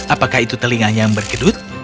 apakah itu telinganya yang berkedut